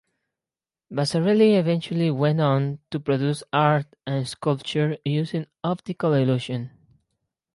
Vasarely eventually went on to produce art and sculpture using optical illusion.